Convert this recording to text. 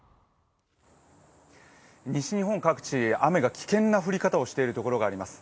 西日本各地、雨が危険な降り方をしている所があります。